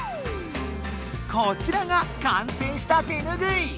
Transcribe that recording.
こちらがかんせいした手ぬぐい！